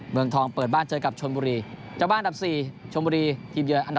เมืองทองเปิดบ้านเจอกับชนบุรีเจ้าบ้านอันดับ๔ชมบุรีทีมเยือนอันดับ